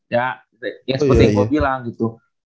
ya yang seperti yang gue bilang gitu